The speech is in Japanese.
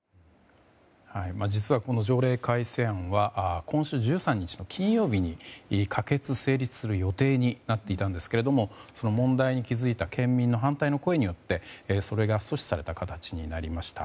実は、この条例改正案は今週１３日の金曜日に可決・成立する予定になっていたんですけどもその問題に気付いた県民の反対の声によってそれが阻止された形になりました。